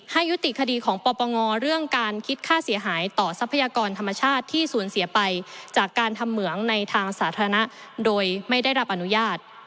ยุติคดีของปปงเรื่องการคิดค่าเสียหายต่อทรัพยากรธรรมชาติที่สูญเสียไปจากการทำเหมืองในทางสาธารณะโดยไม่ได้รับอนุญาต